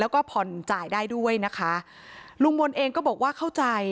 แล้วก็ผ่อนจ่ายได้ด้วยนะคะลุงมนต์เองก็บอกว่าเข้าใจ